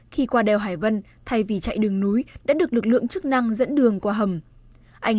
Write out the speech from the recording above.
khi qua đèo hải vân thay vì chạy đường núi đã được lực lượng chức năng dẫn đường qua hầm